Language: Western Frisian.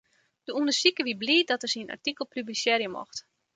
De ûndersiker wie bliid dat er syn artikel publisearje mocht.